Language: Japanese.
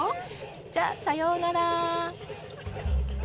じゃあさようなら。